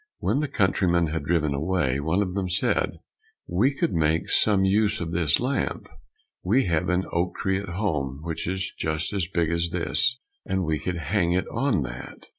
When the countryman had driven away, one of them said, "We could make some use of this lamp, we have an oak tree at home, which is just as big as this, and we could hang it on that.